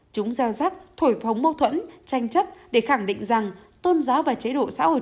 chúng gieo rắc thổi phóng mâu thuẫn tranh chấp để khẳng định rằng tôn giáo và chế độ xã hội